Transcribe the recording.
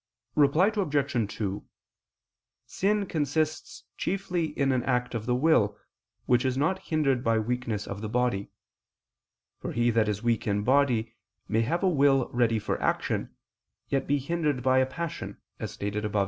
Reply Obj. 2: Sin consists chiefly in an act of the will, which is not hindered by weakness of the body: for he that is weak in body may have a will ready for action, and yet be hindered by a passion, as stated above (A.